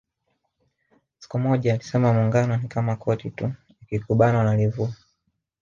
Siku moja alisema Muungano ni kama koti tu likikubana unalivua